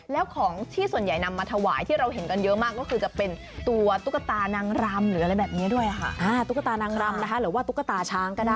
แล้วของที่ส่วนใหญ่นำมาถวายที่เราเห็นกันเยอะมากก็คือจะเป็นตัวตุ๊กตานางรำหรืออะไรแบบนี้ด้วยค่ะอ่าตุ๊กตานางรำนะคะหรือว่าตุ๊กตาช้างก็ได้